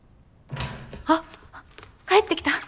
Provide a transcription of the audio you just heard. ・あっあっ帰ってきた。